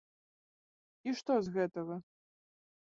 І што з гэтага?